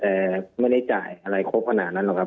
แต่ไม่ได้จ่ายอะไรครบขนาดนั้นหรอกครับ